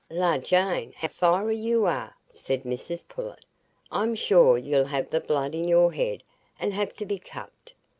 "La, Jane, how fiery you are!" said Mrs Pullet. "I'm sure you'll have the blood in your head, and have to be cupped.